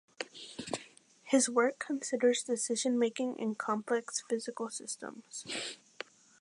His work considers decision making in complex physical systems.